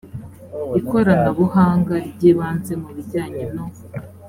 ikoranabuhanga ry ibanze mu bijyanye no